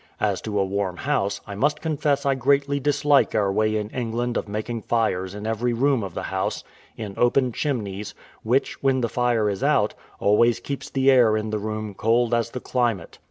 As to a warm house, I must confess I greatly dislike our way in England of making fires in every room of the house in open chimneys, which, when the fire is out, always keeps the air in the room cold as the climate.